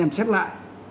xem xét lại